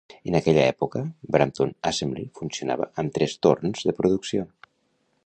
En aquella època, Brampton Assembly funcionava amb tres torns de producció.